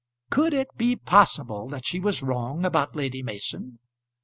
Could it be possible that she was wrong about Lady Mason?